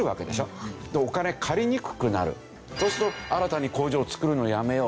そうすると新たに工場を造るのをやめよう。